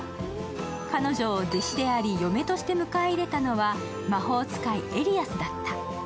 彼女を弟子であり嫁として迎え入れたのは魔法使いエリアスだった。